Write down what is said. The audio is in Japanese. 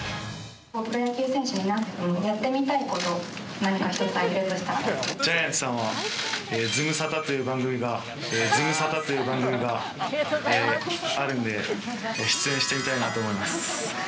プロ野球選手になってやってみたいこと、ジャイアンツさんには、ズムサタという番組があるので、出演してみたいと思います。